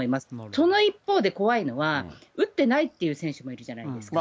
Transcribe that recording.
その一方で、怖いのは、打ってないっていう選手もいるじゃないですか。